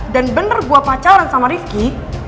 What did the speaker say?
dan gue gak ada hubungan apa apa sama ringki